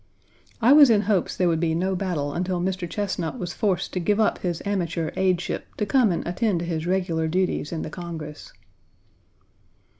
I was in hopes there would be no battle until Mr. Chesnut was forced to give up his amateur aideship to come and attend to his regular duties in the Congress.